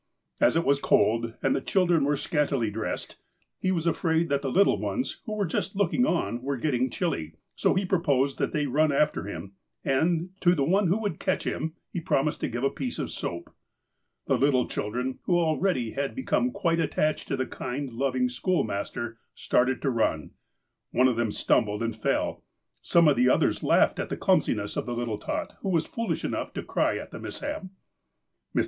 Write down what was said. As it \Yas cold, and the children were scantily dressed, he was afraid that the little ones, who were just looking on, were getting chilly ; so he i^roposed that they run after him, and, to the one who could catch him, he prom ised to give a piece of soax3. The little children, who al ready had become quite attached to the kind, loving schoolmaster, started to run. One of them stumbled and fell. Some of the others laughed at the clumsiness of the little tot, who was foolish enough to cry at the mishap. Mr.